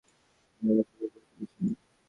তুমি আমাকে যোগ্য করে তুলেছিলে।